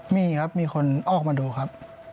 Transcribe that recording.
มีครับมีคนออกมาดูครับ